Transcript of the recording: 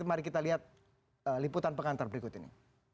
mari kita lihat liputan pengantar berikut ini